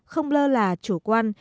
không lơ là chủ quan